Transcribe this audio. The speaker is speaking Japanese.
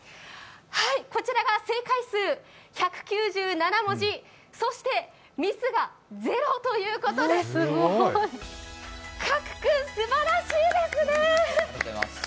こちらが正解数１９７文字、そして、ミスが０ということで加来君、すばらしいですね！